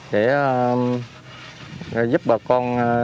để giúp bà con